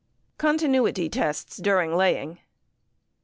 _Continuity Tests during Laying.